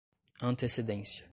antecedência